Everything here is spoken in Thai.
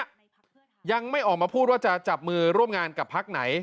ยังไม่ออกมาพูดว่าจะจับมือร่วมงานกับพักไหน